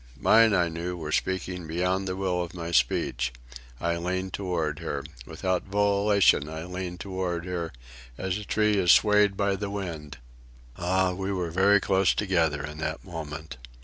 Mine, I knew, were speaking beyond the will of my speech. I leaned toward her. Without volition I leaned toward her, as a tree is swayed by the wind. Ah, we were very close together in that moment.